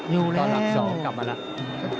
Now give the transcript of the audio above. อยู่แล้วตอนหลักสองกลับมาแล้ว